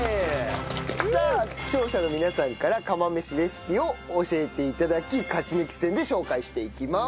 さあ視聴者の皆さんから釜飯レシピを教えて頂き勝ち抜き戦で紹介していきます。